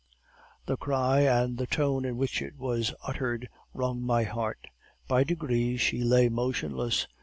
"The cry, and the tone in which it was uttered, wrung my heart. By degrees she lay motionless.